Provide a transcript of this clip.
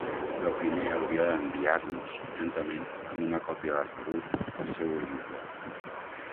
Però primer haurà d'enviar-nos, juntament amb una còpia del rebut, el seu ordinador.